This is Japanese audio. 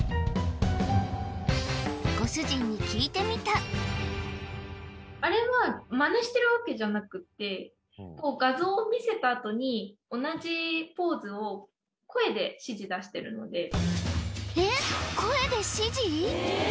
ご主人に聞いてみたあれはマネしてるわけじゃなくって画像を見せたあとに同じポーズをえっ声で指示？